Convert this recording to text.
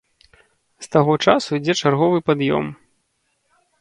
З таго часу ідзе чарговы пад'ём.